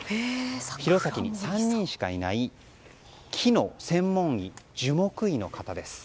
弘前に３人しかいない木の専門医樹木医の方です。